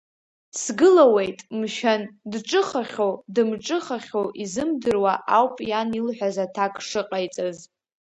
Сгылауеит, мшәан, дҿыхахьоу, дымҿыхахьоу изымдыруа ауп иан илҳәаз аҭак шыҟаиҵаз.